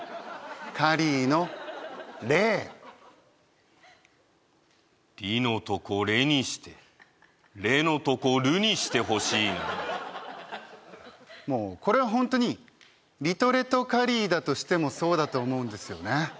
カリーのレー「リ」のとこ「レ」にして「レ」のとこ「ル」にしてほしいなもうこれはホントにリトレトカリーだとしてもそうだと思うんですよね